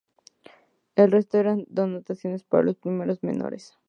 El resto eran dotaciones para los premios menores.